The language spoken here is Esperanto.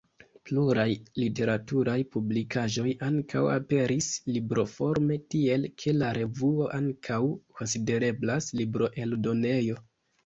Pluraj literaturaj publikaĵoj ankaŭ aperis libroforme, tiel ke la revuo ankaŭ konsidereblas libroeldonejo.